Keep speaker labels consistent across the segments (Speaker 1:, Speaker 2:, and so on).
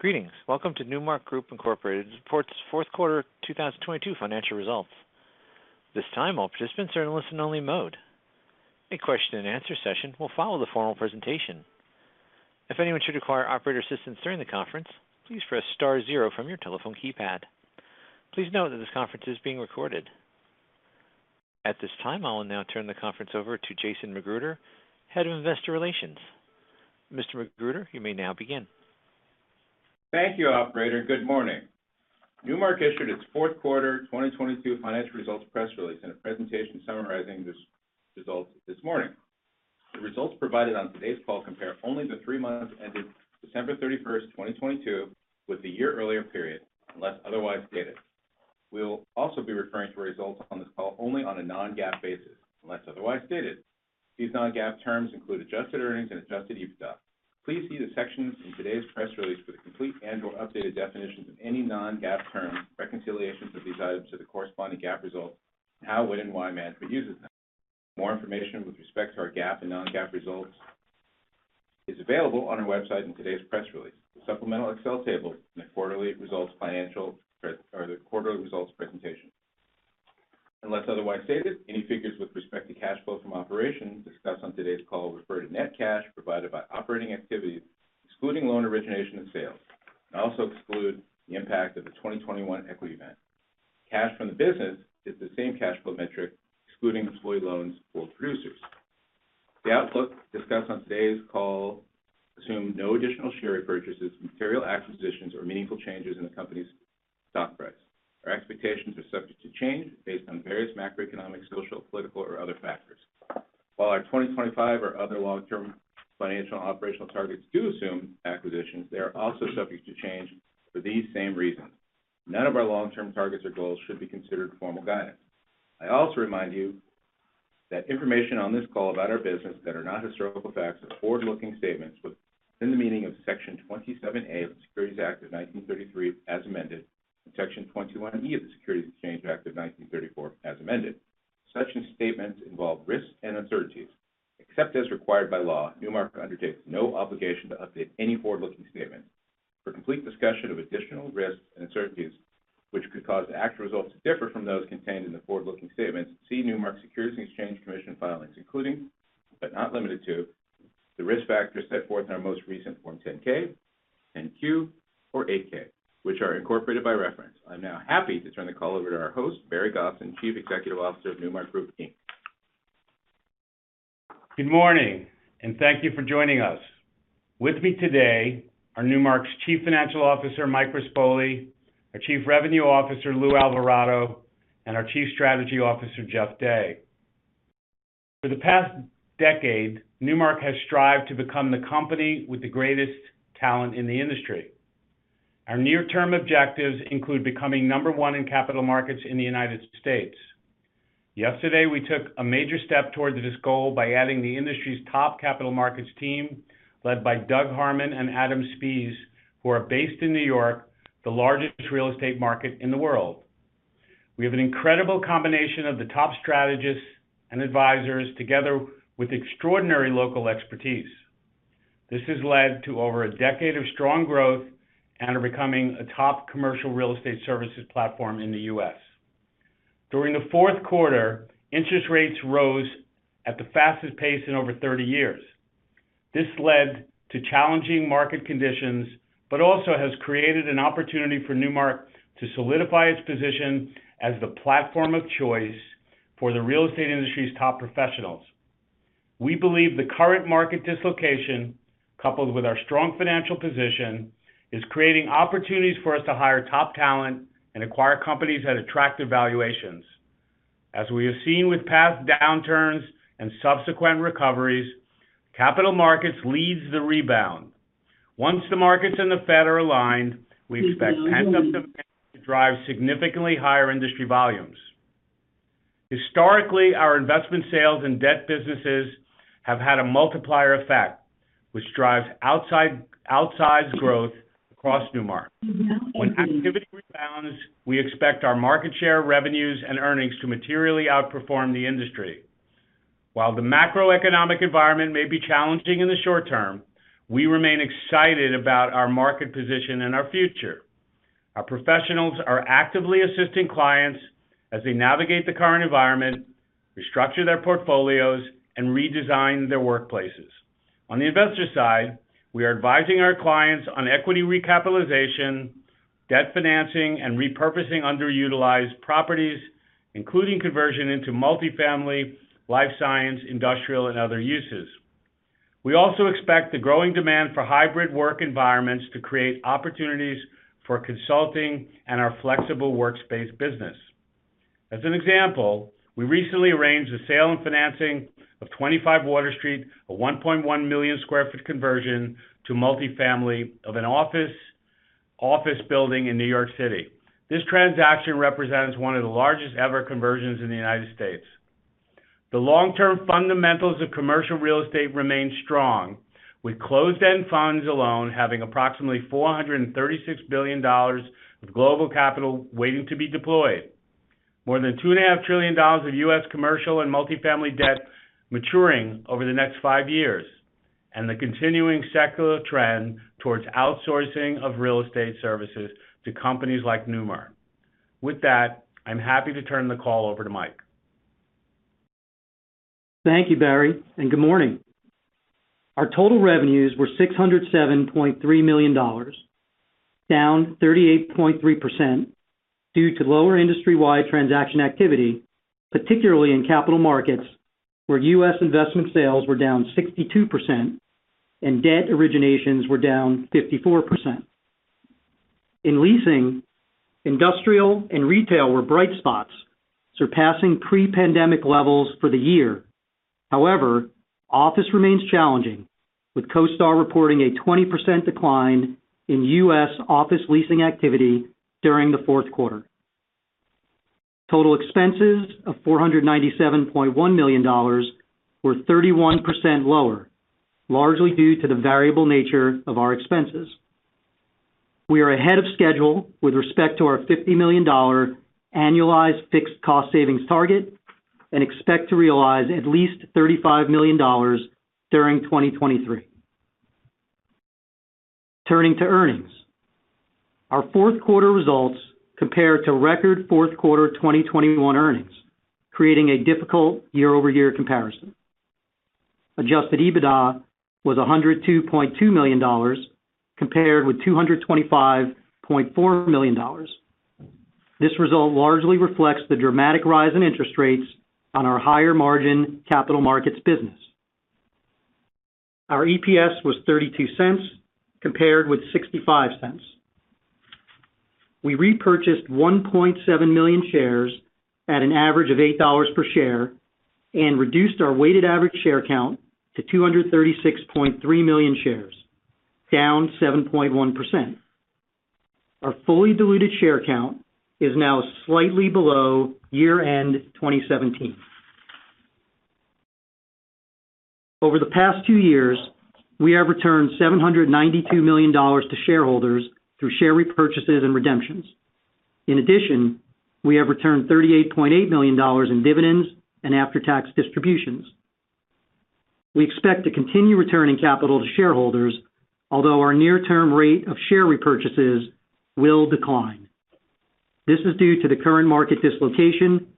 Speaker 1: Greetings. Welcome to Newmark Group, Inc.'s report's fourth quarter 2022 financial results. This time, all participants are in listen only mode. A question and answer session will follow the formal presentation. If anyone should require operator assistance during the conference, please press star zero from your telephone keypad. Please note that this conference is being recorded. At this time, I will now turn the conference over to Jason McGruder, Head of Investor Relations. Mr. McGruder, you may now begin.
Speaker 2: Thank you, operator. Good morning. Newmark issued its fourth quarter 2022 financial results press release and a presentation summarizing these results this morning. The results provided on today's call compare only the three months ended December 31st, 2022 with the year earlier period, unless otherwise stated. We'll also be referring to results on this call only on a non-GAAP basis, unless otherwise stated. These non-GAAP terms include Adjusted Earnings and Adjusted EBITDA. Please see the sections in today's press release for the complete annual updated definitions of any non-GAAP terms, reconciliations of these items to the corresponding GAAP results, and how, when, and why management uses them. More information with respect to our GAAP and non-GAAP results is available on our website in today's press release, the supplemental Excel table in the quarterly results presentation. Unless otherwise stated, any figures with respect to cash flow from operations discussed on today's call refer to net cash provided by operating activities, excluding loan origination and sales, and also exclude the impact of the 2021 equity event. Cash from the business is the same cash flow metric, excluding employee loans for producers. The outlook discussed on today's call assume no additional share repurchases, material acquisitions, or meaningful changes in the company's stock price. Our expectations are subject to change based on various macroeconomic, social, political, or other factors. While our 2025 or other long-term financial operational targets do assume acquisitions, they are also subject to change for these same reasons. None of our long-term targets or goals should be considered formal guidance. I also remind you that information on this call about our business that are not historical facts are forward-looking statements within the meaning of Section 27A of the Securities Act of 1933 as amended, and Section 21E of the Securities Exchange Act of 1934 as amended. Such statements involve risks and uncertainties. Except as required by law, Newmark undertakes no obligation to update any forward-looking statement. For complete discussion of additional risks and uncertainties which could cause the actual results to differ from those contained in the forward-looking statements, see Newmark Securities Exchange Commission filings, including, but not limited to, the risk factors set forth in our most recent Form 10-K, 10-Q, or 8-K, which are incorporated by reference. I'm now happy to turn the call over to our host, Barry Gosin, Chief Executive Officer of Newmark Group, Inc.
Speaker 3: Good morning, thank you for joining us. With me today are Newmark's Chief Financial Officer, Michael Rispoli, our Chief Revenue Officer, Luis Alvarado, and our Chief Strategy Officer, Jeff Day. For the past decade, Newmark has strived to become the company with the greatest talent in the industry. Our near-term objectives include becoming number one in capital markets in the United States. Yesterday, we took a major step towards this goal by adding the industry's top capital markets team led by Doug Harmon and Adam Spies, who are based in New York, the largest real estate market in the world. We have an incredible combination of the top strategists and advisors together with extraordinary local expertise. This has led to over a decade of strong growth and are becoming a top commercial real estate services platform in the U.S. During the fourth quarter, interest rates rose at the fastest pace in over 30 years. This led to challenging market conditions, but also has created an opportunity for Newmark to solidify its position as the platform of choice for the real estate industry's top professionals. We believe the current market dislocation, coupled with our strong financial position, is creating opportunities for us to hire top talent and acquire companies at attractive valuations. As we have seen with past downturns and subsequent recoveries, capital markets leads the rebound. Once the markets and the Fed are aligned, we expect pent-up demand to drive significantly higher industry volumes. Historically, our investment sales and debt businesses have had a multiplier effect, which drives outside, outsides growth across Newmark. When activity rebounds, we expect our market share revenues and earnings to materially outperform the industry. While the macroeconomic environment may be challenging in the short term, we remain excited about our market position and our future. Our professionals are actively assisting clients as they navigate the current environment, restructure their portfolios and redesign their workplaces. On the investor side, we are advising our clients on equity recapitalization, debt financing, and repurposing underutilized properties, including conversion into multifamily, life science, industrial, and other uses. We also expect the growing demand for hybrid work environments to create opportunities for consulting and our flexible workspace business. As an example, we recently arranged the sale and financing of 25 Water Street, a 1.1 million sq ft conversion to multifamily of an office building in New York City. This transaction represents one of the largest ever conversions in the United States. The long-term fundamentals of commercial real estate remain strong, with closed-end funds alone having approximately $436 billion of global capital waiting to be deployed. More than $2.5 trillion of U.S. commercial and multifamily debt maturing over the next five years, and the continuing secular trend towards outsourcing of real estate services to companies like Newmark. With that, I'm happy to turn the call over to Mike.
Speaker 4: Thank you, Barry. Good morning. Our total revenues were $607.3 million, down 38.3% due to lower industry-wide transaction activity, particularly in capital markets, where U.S. investment sales were down 62% and debt originations were down 54%. In leasing, industrial and retail were bright spots, surpassing pre-pandemic levels for the year. However, office remains challenging, with CoStar reporting a 20% decline in U.S. office leasing activity during the fourth quarter. Total expenses of $497.1 million were 31% lower, largely due to the variable nature of our expenses. We are ahead of schedule with respect to our $50 million annualized fixed cost savings target and expect to realize at least $35 million during 2023. Turning to earnings. Our fourth quarter results compare to record fourth quarter 2021 earnings, creating a difficult year-over-year comparison. Adjusted EBITDA was $102.2 million compared with $225.4 million. This result largely reflects the dramatic rise in interest rates on our higher-margin capital markets business. Our EPS was $0.32 compared with $0.65. We repurchased 1.7 million shares at an average of $8 per share and reduced our weighted average share count to 236.3 million shares, down 7.1%. Our fully diluted share count is now slightly below year-end 2017. Over the past two years, we have returned $792 million to shareholders through share repurchases and redemptions. In addition, we have returned $38.8 million in dividends and after-tax distributions. We expect to continue returning capital to shareholders, although our near-term rate of share repurchases will decline. This is due to the current market dislocation,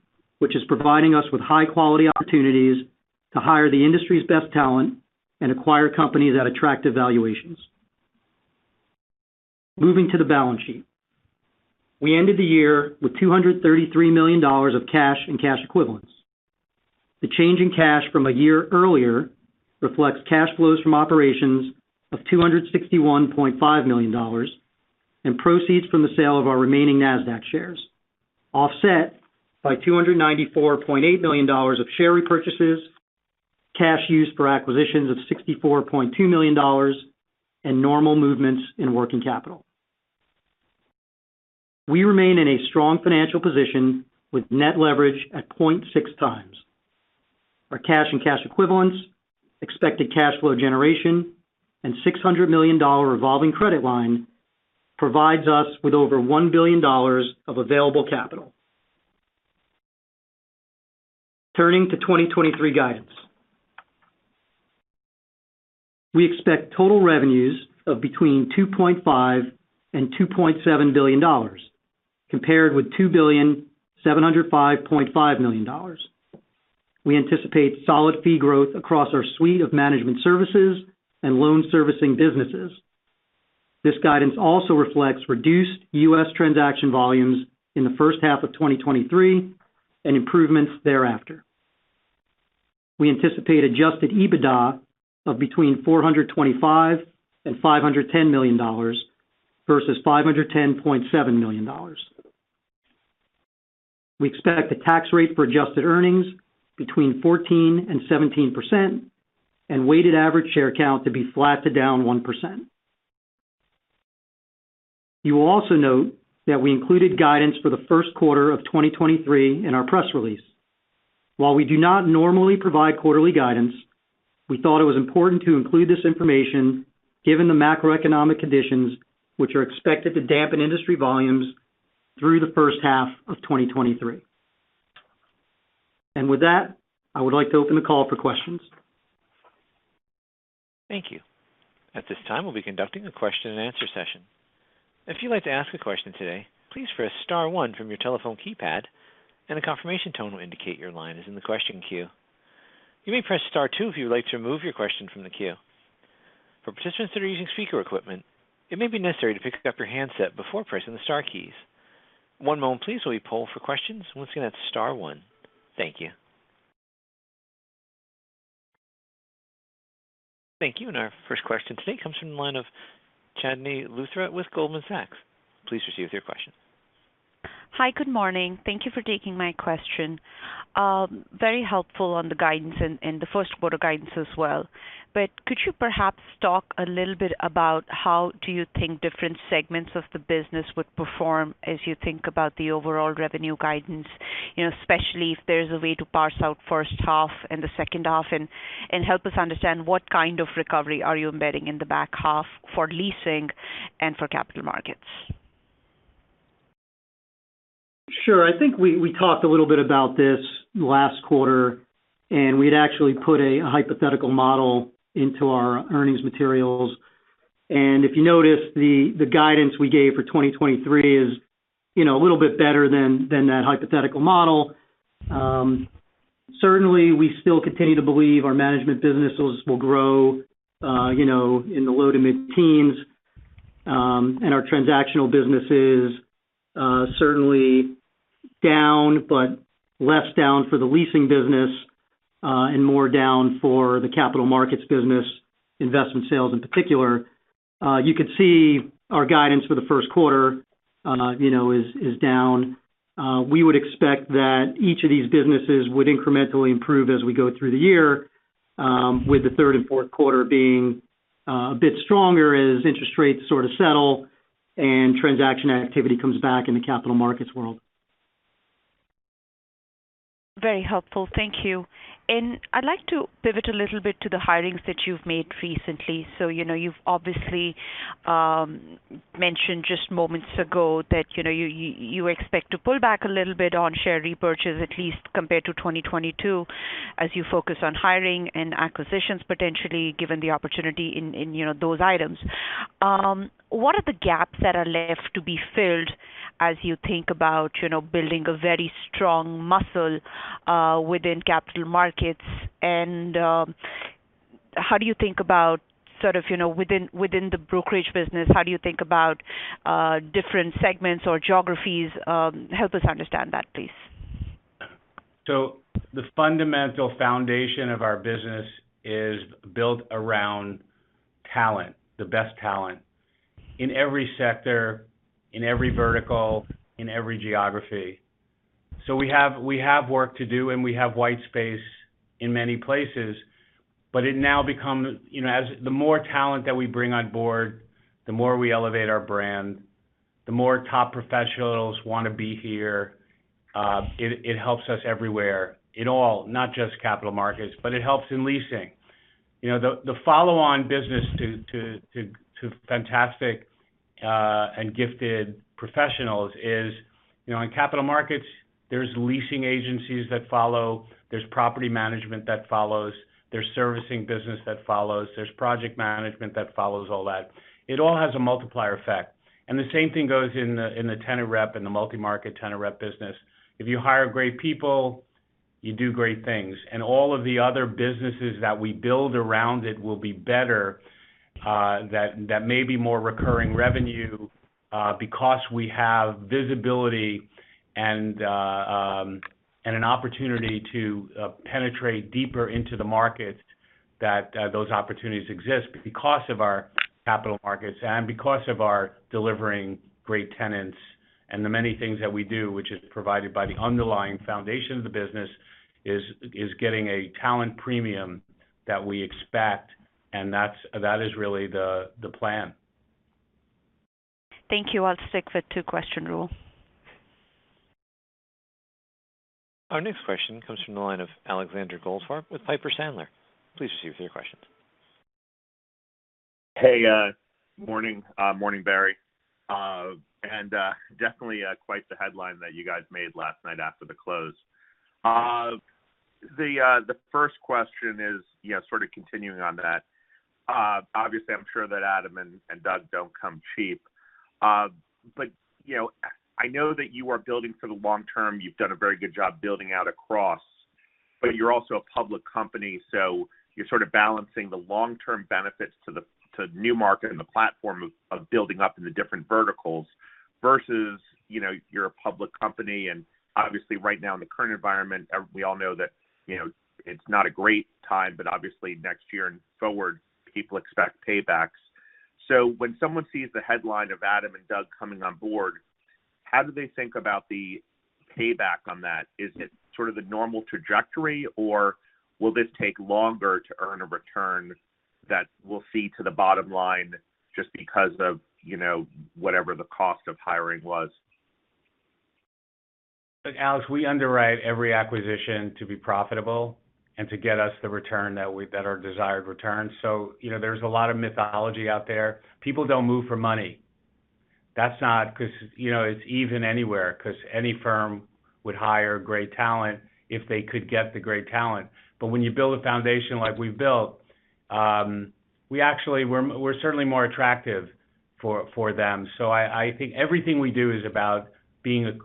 Speaker 4: which is providing us with high-quality opportunities to hire the industry's best talent and acquire companies at attractive valuations. Moving to the balance sheet. We ended the year with $233 million of cash and cash equivalents. The change in cash from a year earlier reflects cash flows from operations of $261.5 million and proceeds from the sale of our remaining Nasdaq shares, offset by $294.8 million of share repurchases, cash used for acquisitions of $64.2 million, and normal movements in working capital. We remain in a strong financial position with net leverage at 0.6 times. Our cash and cash equivalents, expected cash flow generation, and $600 million revolving credit line provides us with over $1 billion of available capital. Turning to 2023 guidance. We expect total revenues of between $2.5 billion and $2.7 billion, compared with $2,705.5 million. We anticipate solid fee growth across our suite of management services and loan servicing businesses. This guidance also reflects reduced U.S. transaction volumes in the first half of 2023 and improvements thereafter. We anticipate Adjusted EBITDA of between $425 million and $510 million versus $510.7 million. We expect the tax rate for Adjusted Earnings between 14% and 17% and weighted average share count to be flat to down 1%. You will also note that we included guidance for the first quarter of 2023 in our press release. While we do not normally provide quarterly guidance, we thought it was important to include this information given the macroeconomic conditions which are expected to dampen industry volumes through the first half of 2023. With that, I would like to open the call for questions.
Speaker 1: Thank you. At this time, we'll be conducting a question-and-answer session. If you'd like to ask a question today, please press star one from your telephone keypad and a confirmation tone will indicate your line is in the question queue. You may press star two if you would like to remove your question from the queue. For participants that are using speaker equipment, it may be necessary to pick up your handset before pressing the star keys. One moment please while we poll for questions. Once again, that's star one. Thank you. Thank you, Our first question today comes from the line of Chandni Luthra with Goldman Sachs. Please proceed with your question.
Speaker 5: Hi. Good morning. Thank you for taking my question. Very helpful on the guidance and the first quarter guidance as well. Could you perhaps talk a little bit about how do you think different segments of the business would perform as you think about the overall revenue guidance? You know, especially if there's a way to parse out first half and the second half, and help us understand what kind of recovery are you embedding in the back half for leasing and for capital markets?
Speaker 3: Sure. I think we talked a little bit about this last quarter, and we'd actually put a hypothetical model into our earnings materials. If you notice, the guidance we gave for 2023 is, you know, a little bit better than that hypothetical model. Certainly, we still continue to believe our management businesses will grow, you know, in the low to mid-teens. Our transactional business is certainly down, but less down for the leasing business, and more down for the Capital Markets business, investment sales in particular. You could see our guidance for the first quarter, you know, is down. We would expect that each of these businesses would incrementally improve as we go through the year, with the third and fourth quarter being a bit stronger as interest rates sort of settle and transaction activity comes back in the capital markets world.
Speaker 5: Very helpful. Thank you. I'd like to pivot a little bit to the hirings that you've made recently. You know, you've obviously mentioned just moments ago that, you know, you, you expect to pull back a little bit on share repurchase, at least compared to 2022, as you focus on hiring and acquisitions, potentially, given the opportunity in, you know, those items. What are the gaps that are left to be filled as you think about, you know, building a very strong muscle within capital markets? How do you think about sort of, you know, within the brokerage business, how do you think about different segments or geographies? Help us understand that, please.
Speaker 3: The fundamental foundation of our business is built around talent, the best talent in every sector, in every vertical, in every geography. We have work to do, and we have white space in many places. It now become, you know, as the more talent that we bring on board, the more we elevate our brand, the more top professionals wanna be here. It helps us everywhere in all, not just capital markets, but it helps in leasing. You know, the follow on business to fantastic and gifted professionals is, you know, in capital markets, there's leasing agencies that follow, there's property management that follows, there's servicing business that follows, there's project management that follows all that. It all has a multiplier effect. The same thing goes in the tenant rep, in the multi-market tenant rep business. If you hire great people, you do great things, and all of the other businesses that we build around it will be better, that may be more recurring revenue, because we have visibility and an opportunity to penetrate deeper into the market that those opportunities exist because of our capital markets and because of our delivering great tenants and the many things that we do, which is provided by the underlying foundation of the business, is getting a talent premium that we expect, that is really the plan.
Speaker 5: Thank you. I'll stick with two question rule.
Speaker 1: Our next question comes from the line of Alexander Goldfarb with Piper Sandler, please proceed with your questions.
Speaker 6: Hey, morning. Morning Barry. Definitely quite the headline that you guys made last night after the close. The first question is, you know, sort of continuing on that, obviously I'm sure that Adam and Doug don't come cheap. You know, I know that you are building for the long term. You've done a very good job building out across, you're also a public company, so you're sort of balancing the long-term benefits to the Newmark and the platform of building up in the different verticals versus, you know, you're a public company and obviously right now in the current environment, we all know that, you know, it's not a great time, but obviously next year and forward, people expect paybacks. When someone sees the headline of Adam and Doug coming on board, how do they think about the payback on that? Is it sort of the normal trajectory, or will this take longer to earn a return that we'll see to the bottom line just because of, you know, whatever the cost of hiring was?
Speaker 3: Look, Alex, we underwrite every acquisition to be profitable and to get us the return that are desired returns. You know, there's a lot of mythology out there. People don't move for money. That's not 'cause, you know, it's even anywhere, 'cause any firm would hire great talent if they could get the great talent. When you build a foundation like we've built, we actually, we're certainly more attractive for them. I think everything we do is about being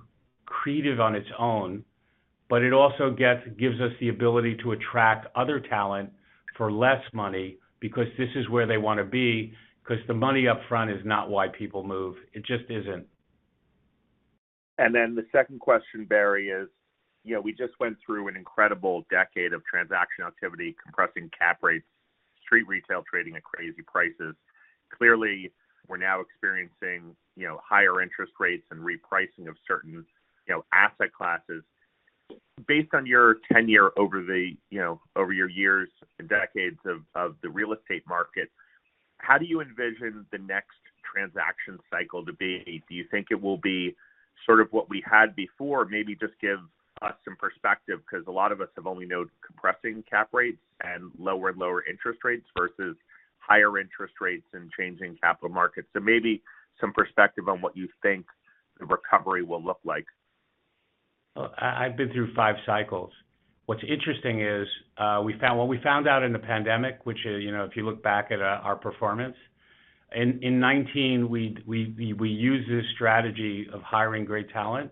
Speaker 3: accretive on its own, but it also gives us the ability to attract other talent for less money because this is where they wanna be, 'cause the money up front is not why people move. It just isn't.
Speaker 6: The second question, Barry, is, you know, we just went through an incredible decade of transaction activity, compressing cap rates, street retail trading at crazy prices. Clearly, we're now experiencing, you know, higher interest rates and repricing of certain, you know, asset classes. Based on your tenure over the, you know, over your years and decades of the real estate market, how do you envision the next transaction cycle to be? Do you think it will be? Sort of what we had before, maybe just give us some perspective, because a lot of us have only known compressing cap rates and lower and lower interest rates versus higher interest rates and changing capital markets. Maybe some perspective on what you think the recovery will look like?
Speaker 3: I've been through five cycles. What's interesting is what we found out in the pandemic, which, you know, if you look back at our performance. In 2019, we used this strategy of hiring great talent,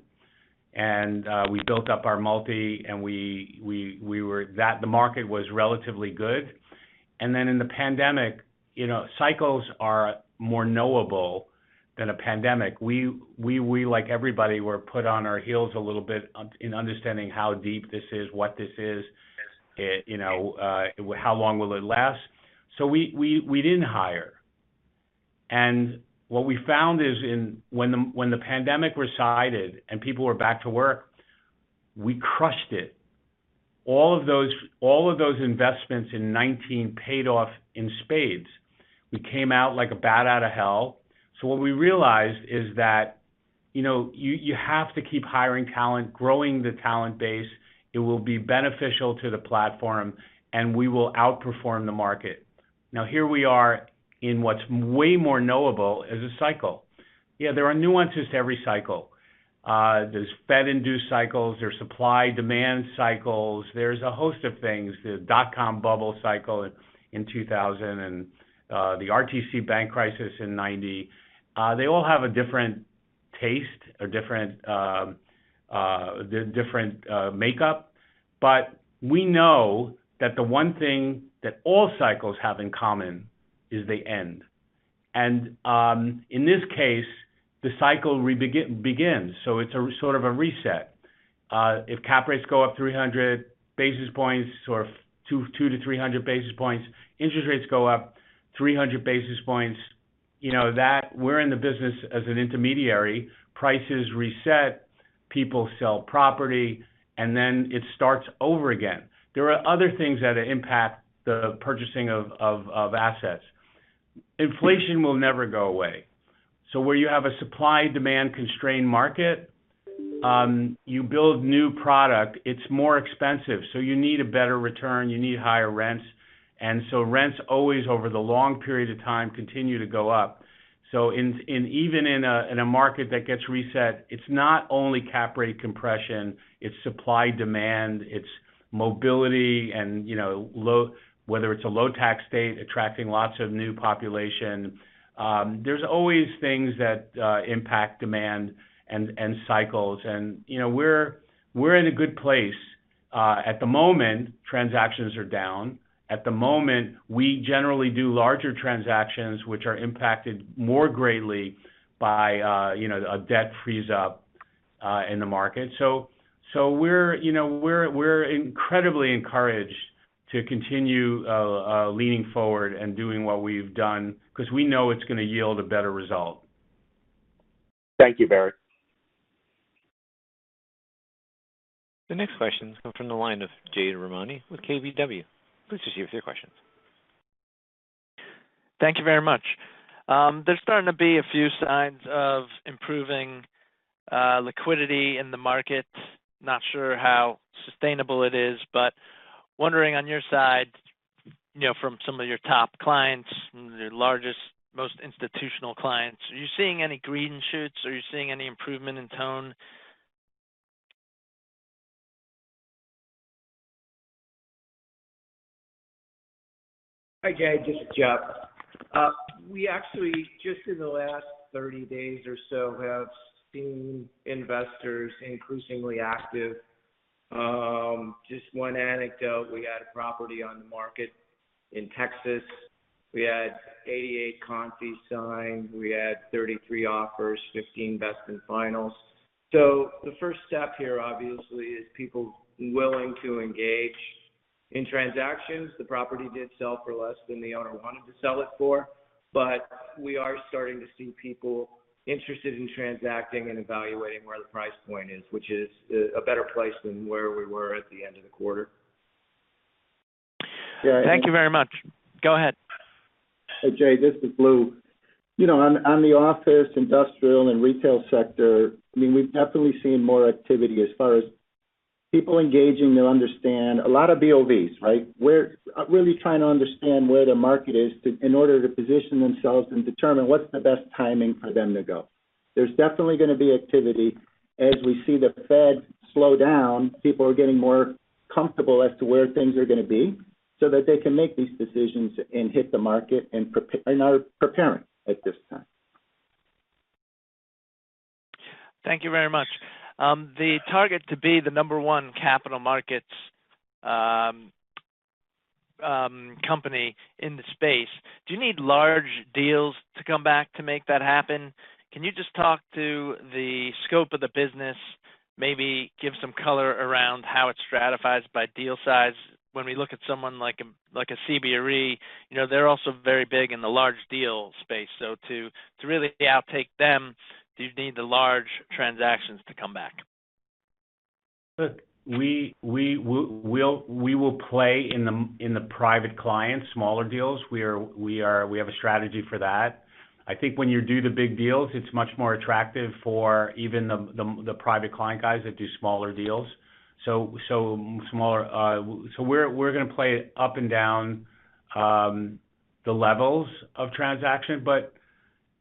Speaker 3: and we built up our multi. The market was relatively good. In the pandemic, you know, cycles are more knowable than a pandemic. We, like everybody, were put on our heels a little bit in understanding how deep this is, what this is, you know, how long will it last. We didn't hire. What we found is when the pandemic resided and people were back to work, we crushed it. All of those investments in 2019 paid off in spades. We came out like a bat out of hell. What we realized is that, you know, you have to keep hiring talent, growing the talent base. It will be beneficial to the platform, and we will outperform the market. Now, here we are in what's way more knowable as a cycle. Yeah, there are nuances to every cycle. There's Fed-induced cycles, there's supply-demand cycles, there's a host of things. The dot-com bubble cycle in 2000 and the RTC bank crisis in 1990. They all have a different taste, a different makeup. We know that the one thing that all cycles have in common is they end. In this case, the cycle begins. It's a sort of a reset. If cap rates go up 300 basis points or 200-300 basis points, interest rates go up 300 basis points, you know that we're in the business as an intermediary. Prices reset, people sell property, it starts over again. There are other things that impact the purchasing of assets. Inflation will never go away. Where you have a supply-demand constrained market, you build new product, it's more expensive, you need a better return, you need higher rents. Rents always, over the long period of time, continue to go up. Even in a market that gets reset, it's not only cap rate compression, it's supply demand, it's mobility and, you know, whether it's a low tax state attracting lots of new population. There's always things that impact demand and cycles. You know, we're in a good place. At the moment, transactions are down. At the moment, we generally do larger transactions, which are impacted more greatly by, you know, a debt freeze-up in the market. We're, you know, we're incredibly encouraged to continue leaning forward and doing what we've done because we know it's gonna yield a better result.
Speaker 6: Thank you, Barry.
Speaker 1: The next question comes from the line of Jade Rahmani with KBW, please proceed with your questions.
Speaker 7: Thank you very much. There's starting to be a few signs of improving liquidity in the market. Not sure how sustainable it is, but wondering on your side, you know, from some of your top clients, your largest, most institutional clients, are you seeing any green shoots? Are you seeing any improvement in tone?
Speaker 8: Hi, Jade. This is Jeff. We actually, just in the last 30 days or so, have seen investors increasingly active. Just one anecdote. We had a property on the market in Texas. We had 88 confis signed. We had 33 offers, 15 best and finals. The first step here, obviously, is people willing to engage in transactions. The property did sell for less than the owner wanted to sell it for. We are starting to see people interested in transacting and evaluating where the price point is, which is a better place than where we were at the end of the quarter.
Speaker 7: Thank you very much. Go ahead.
Speaker 9: Hey, Jade, this is Lou. You know, on the office, industrial, and retail sector, I mean, we've definitely seen more activity as far as people engaging to understand a lot of BOVs, right? We're really trying to understand where the market is in order to position themselves and determine what's the best timing for them to go. There's definitely gonna be activity. As we see the Fed slow down, people are getting more comfortable as to where things are gonna be, so that they can make these decisions and hit the market and are preparing at this time.
Speaker 7: Thank you very much. The target to be the number one capital markets company in the space, do you need large deals to come back to make that happen? Can you just talk to the scope of the business, maybe give some color around how it stratifies by deal size? When we look at someone like a CBRE, you know, they're also very big in the large deal space. To really outtake them, do you need the large transactions to come back?
Speaker 3: Look, we will play in the private clients smaller deals. We have a strategy for that. I think when you do the big deals, it's much more attractive for even the private client guys that do smaller deals. We're gonna play it up and down the levels of transaction.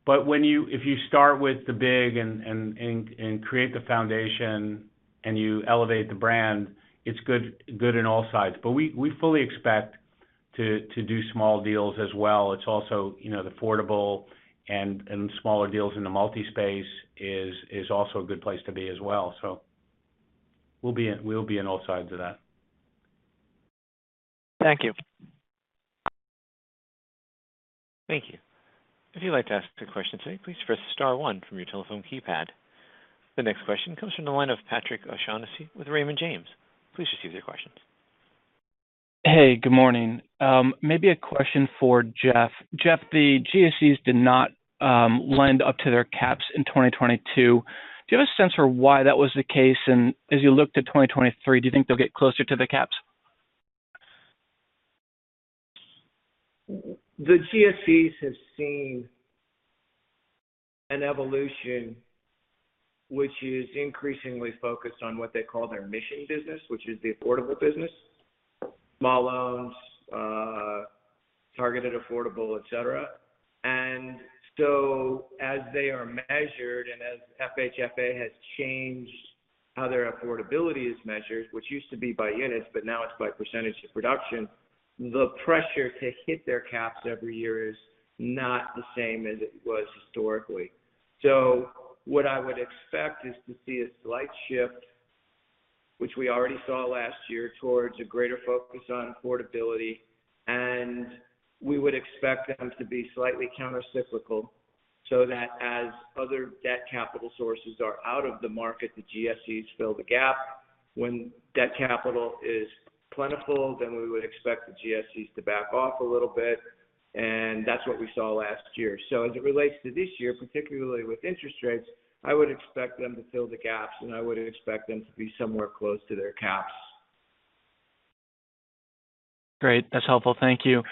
Speaker 3: If you start with the big and create the foundation and you elevate the brand, it's good in all sides. We fully expect to do small deals as well. It's also, you know, the affordable and smaller deals in the multi-space is also a good place to be as well. We'll be in all sides of that.
Speaker 7: Thank you.
Speaker 1: Thank you. If you'd like to ask a question today, please press star one from your telephone keypad. The next question comes from the line of Patrick O'Shaughnessy with Raymond James, please proceed with your questions.
Speaker 10: Hey, good morning. Maybe a question for Jeff. Jeff, the GSEs did not lend up to their caps in 2022. Do you have a sense for why that was the case? As you look to 2023, do you think they'll get closer to the caps?
Speaker 8: The GSEs have seen an evolution which is increasingly focused on what they call their mission business, which is the affordable business. Small loans, targeted affordable, et cetera. As they are measured and as FHFA has changed how their affordability is measured, which used to be by units, but now it's by percentage of production, the pressure to hit their caps every year is not the same as it was historically. What I would expect is to see a slight shift, which we already saw last year, towards a greater focus on affordability. We would expect them to be slightly countercyclical, so that as other debt capital sources are out of the market, the GSEs fill the gap. When debt capital is plentiful, we would expect the GSEs to back off a little bit. That's what we saw last year. As it relates to this year, particularly with interest rates, I would expect them to fill the gaps, and I would expect them to be somewhere close to their caps.
Speaker 10: Great. That's helpful. Thank you.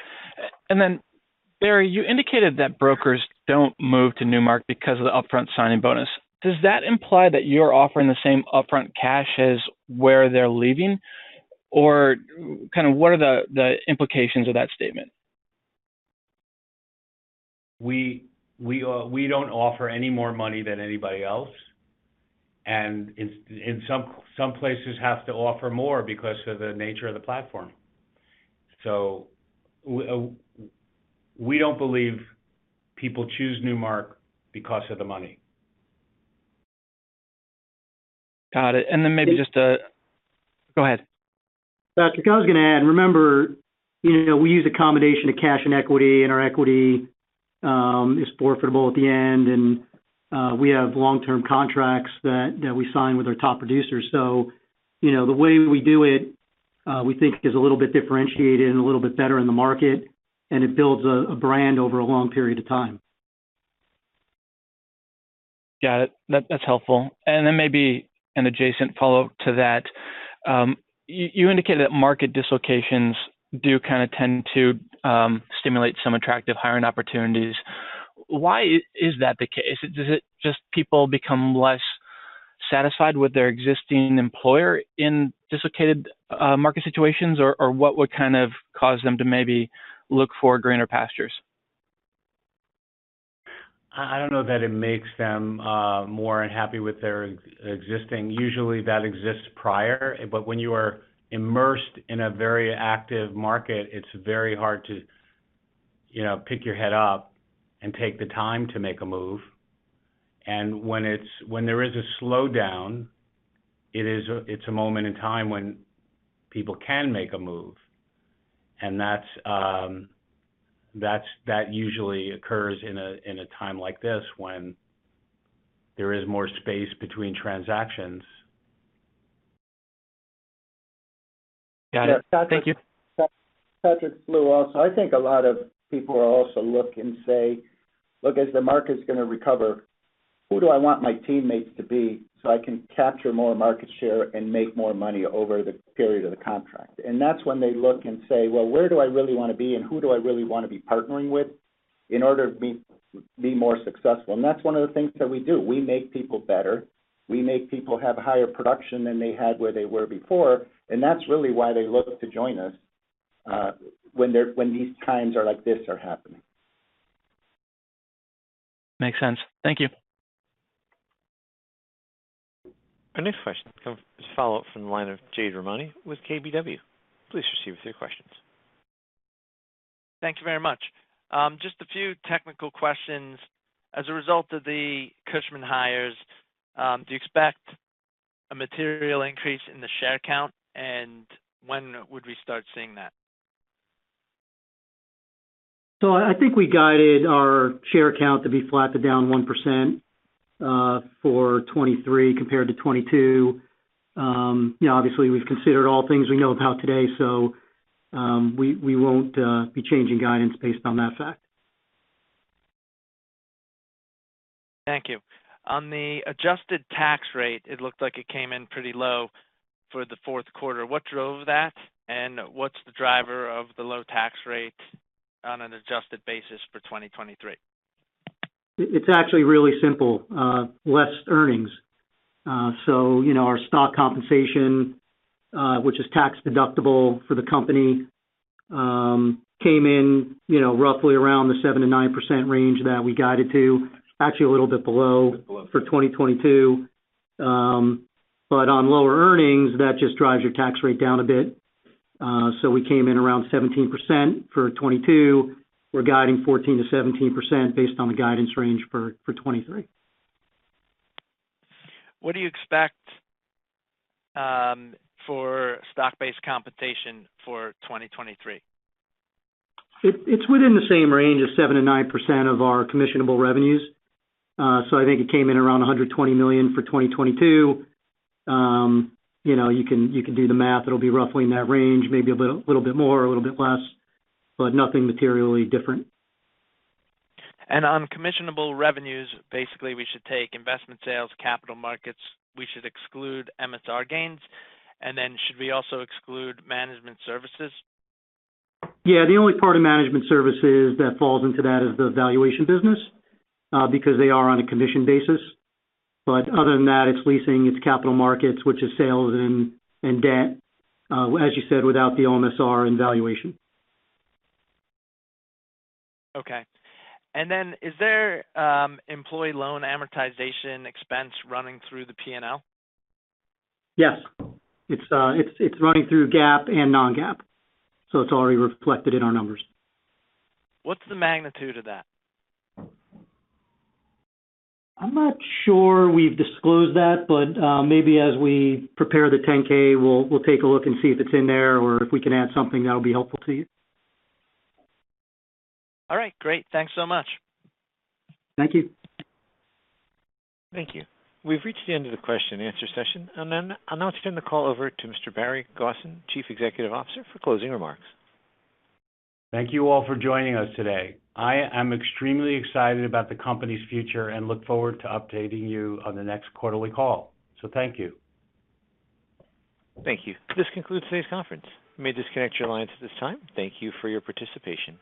Speaker 10: Barry, you indicated that brokers don't move to Newmark because of the upfront signing bonus. Does that imply that you're offering the same upfront cash as where they're leaving? Kind of what are the implications of that statement?
Speaker 3: We don't offer any more money than anybody else. In some places have to offer more because of the nature of the platform. We don't believe people choose Newmark because of the money.
Speaker 10: Got it. Go ahead.
Speaker 4: Patrick, I was gonna add, remember, you know, we use a combination of cash and equity, and our equity is more affordable at the end. We have long-term contracts that we sign with our top producers. You know, the way we do it, we think is a little bit differentiated and a little bit better in the market, and it builds a brand over a long period of time.
Speaker 10: Got it. That's helpful. Then maybe an adjacent follow-up to that. You indicated that market dislocations do kind of tend to stimulate some attractive hiring opportunities. Why is that the case? Does it just people become less satisfied with their existing employer in dislocated market situations? Or what would kind of cause them to maybe look for greener pastures?
Speaker 3: I don't know that it makes them more unhappy with their existing. Usually, that exists prior. When you are immersed in a very active market, it's very hard to, you know, pick your head up and take the time to make a move. When there is a slowdown, it's a moment in time when people can make a move. That's that usually occurs in a, in a time like this when there is more space between transactions.
Speaker 10: Got it. Thank you.
Speaker 9: Patrick, it's Lou also. I think a lot of people will also look and say, "Look, as the market's gonna recover, who do I want my teammates to be so I can capture more market share and make more money over the period of the contract?" That's when they look and say, "Well, where do I really wanna be, and who do I really wanna be partnering with in order to be more successful?" That's one of the things that we do. We make people better. We make people have higher production than they had where they were before, and that's really why they look to join us, when these times are like this are happening.
Speaker 10: Makes sense. Thank you.
Speaker 1: Our next question comes as a follow-up from the line of Jade Rahmani with KBW. Please proceed with your questions.
Speaker 7: Thank you very much. Just a few technical questions. As a result of the Cushman hires, do you expect a material increase in the share count, and when would we start seeing that?
Speaker 4: I think we guided our share count to be flat to down 1%, for 2023 compared to 2022. You know, obviously, we've considered all things we know about today, so we won't be changing guidance based on that fact.
Speaker 7: Thank you. On the adjusted tax rate, it looked like it came in pretty low for the fourth quarter. What drove that? What's the driver of the low tax rate on an adjusted basis for 2023?
Speaker 4: It's actually really simple, less earnings. You know, our stock compensation, which is tax-deductible for the company, came in, you know, roughly around the 7%-9% range that we guided to, actually a little bit below for 2022. On lower earnings, that just drives your tax rate down a bit. We came in around 17% for 2022. We're guiding 14%-17% based on the guidance range for 2023.
Speaker 7: What do you expect, for stock-based compensation for 2023?
Speaker 4: It's within the same range of 7%-9% of our commissionable revenues. I think it came in around $120 million for 2022. you know, you can do the math. It'll be roughly in that range, maybe a little bit more or a little bit less, but nothing materially different.
Speaker 7: On commissionable revenues, basically, we should take investment sales, capital markets. We should exclude MSR gains. Should we also exclude management services?
Speaker 4: Yeah. The only part of management services that falls into that is the valuation business, because they are on a commission basis. Other than that, it's leasing, it's capital markets, which is sales and debt, as you said, without the MSR and valuation.
Speaker 7: Okay. Is there employee loan amortization expense running through the P&L?
Speaker 4: Yes. It's running through GAAP and non-GAAP, so it's already reflected in our numbers.
Speaker 7: What's the magnitude of that?
Speaker 4: I'm not sure we've disclosed that, but, maybe as we prepare the Form 10-K, we'll take a look and see if it's in there or if we can add something that'll be helpful to you.
Speaker 7: All right. Great. Thanks so much.
Speaker 4: Thank you.
Speaker 1: Thank you. We've reached the end of the question and answer session. I'll now turn the call over to Mr. Barry Gosin, Chief Executive Officer, for closing remarks.
Speaker 3: Thank you all for joining us today. I am extremely excited about the company's future and look forward to updating you on the next quarterly call. Thank you.
Speaker 1: Thank you. This concludes today's conference. You may disconnect your lines at this time. Thank you for your participation.